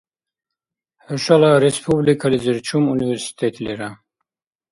ХӀушала республикализир чум университет лера?